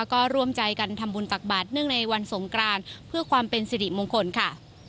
ก็ร่วมใจกันทำบุญตักบาทเนื่องในวันสงกรานเพื่อความเป็นสิริมงคลค่ะ